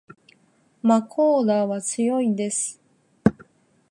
まこーらは強いです